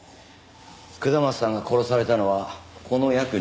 下松さんが殺されたのはこの約２時間後。